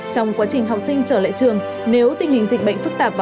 trong quá trình học sinh trở lại trường nếu tình hình dịch bệnh phức tạp và